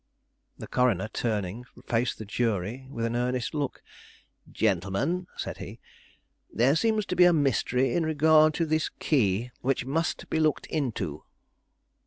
The coroner turning, faced the jury with an earnest look. "Gentlemen," said he, "there seems to be a mystery in regard to this key which must be looked into."